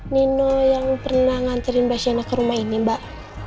nino yang pernah nganterin mbak shina ke rumah ini mbak